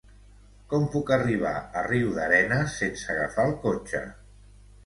Com puc arribar a Riudarenes sense agafar el cotxe?